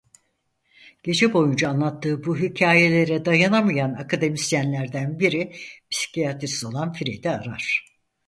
Gece boyunca anlattığı bu hikâyelere dayanamayan akademisyenlerden biri Psikiyatrist olan Fred'i arar.